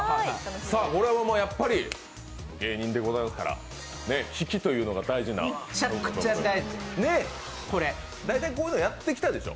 これはやっぱり芸人でございますから引きというのが大事な職業です。